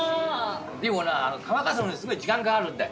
でもな乾かすのにすごい時間かかるんだよ。